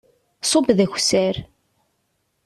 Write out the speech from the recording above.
Ṣub d akessar.